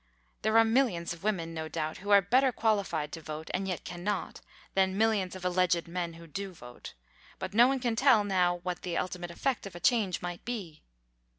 There are millions of women, no doubt who are better qualified to vote, and yet cannot, than millions of alleged men who do vote; but no one can tell now what the ultimate effect of a change might be.